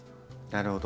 なるほど。